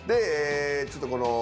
ちょっとこの。